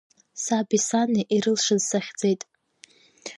Саби сани ирылшаз сахьӡеит.